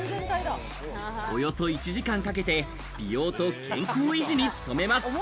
およそ１時間かけて美容と健康維持に努めます。